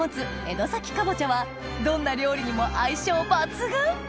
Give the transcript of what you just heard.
江戸崎かぼちゃはどんな料理にも相性抜群